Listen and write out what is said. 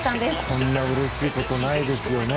こんなうれしいことないですよね。